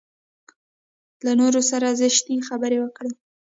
له نورو سره زشتې خبرې وکړي.